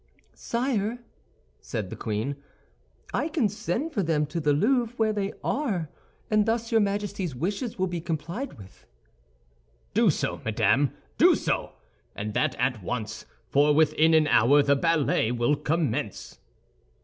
"Sire," said the queen, "I can send for them to the Louvre, where they are, and thus your Majesty's wishes will be complied with." "Do so, madame, do so, and that at once; for within an hour the ballet will commence."